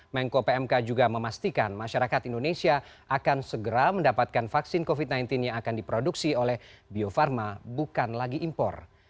mengko pmk juga memastikan masyarakat indonesia akan segera mendapatkan vaksin covid sembilan belas yang akan diproduksi oleh bio farma bukan lagi impor